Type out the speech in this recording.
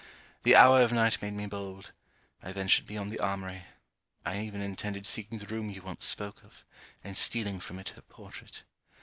The hour of night made me bold. I ventured beyond the armoury. I even intended seeking the room you once spoke of, and stealing from it her portrait.